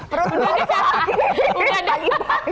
pro udah gak